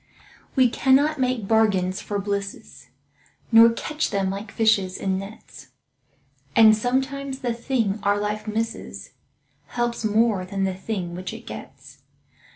We cannot make bargains for blisses, Nor catch them like fishes in nets; And sometimes the thing our life misses Helps more than the thing which it gets.